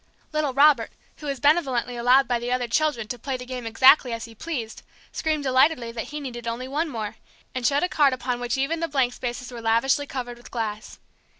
Little Robert, who was benevolently allowed by the other children to play the game exactly as he pleased, screamed delightedly that he needed only one more, and showed a card upon which even the blank spaces were lavishly covered with glass.